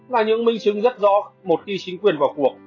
là những minh chứng rất rõ một khi chính quyền vào cuộc